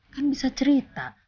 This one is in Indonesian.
kan bisa cerita